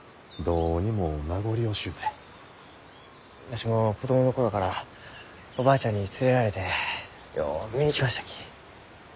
わしも子供の頃からおばあちゃんに連れられてよう見に来ましたき。